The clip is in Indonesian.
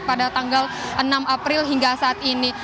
pada tanggal enam april hingga saat ini